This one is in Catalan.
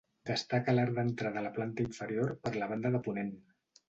Destaca l'arc d'entrada a la planta inferior per la banda de ponent.